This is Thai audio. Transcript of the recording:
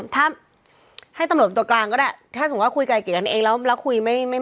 ถ้าให้ตำรวจเป็นตัวกลางก็ได้ถ้าสมมุติว่าคุยไกลเกลียดกันเองแล้วแล้วคุยไม่ไม่